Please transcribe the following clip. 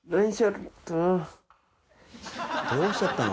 「どうしちゃったの」？